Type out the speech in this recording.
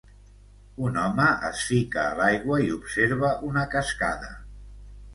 Un home es fica a l'aigua i observa una cascada.